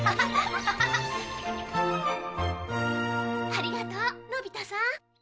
ありがとうのび太さん。